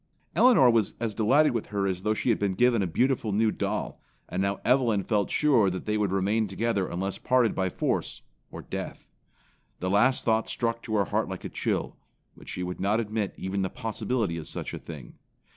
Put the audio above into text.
Elinor was as delighted with her as though she had been given a beautiful new doll; and now Evelyn felt sure that they would remain together unless parted by force or death. The last thought struck to her heart like a chill, but she would not admit even the possibility of such a thing.